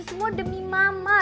semua demi mama